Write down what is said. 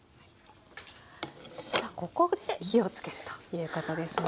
さあここで火をつけるということですね。